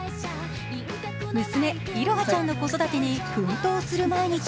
娘・彩葉ちゃんの子育てに奮闘する毎日。